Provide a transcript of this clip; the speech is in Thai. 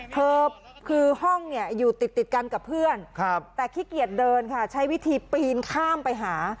เธอคือห้องเนี่ยอยู่ติดกันกับเพื่อนแต่ขี้เกียจเดินค่ะใช้วิธีปีนข้ามไปหา